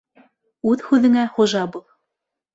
Үҙ һүҙеңә хужа бул.